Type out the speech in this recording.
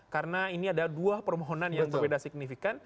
karena ini ada dua permohonan yang berbeda signifikan